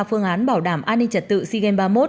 phương án bảo đảm an ninh trật tự sigen ba mươi một